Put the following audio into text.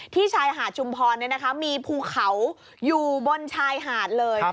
ชายหาดชุมพรมีภูเขาอยู่บนชายหาดเลย